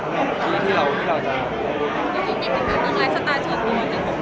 บางทีที่เราก็ไม่รู้